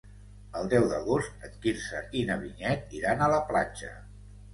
El deu d'agost en Quirze i na Vinyet iran a la platja.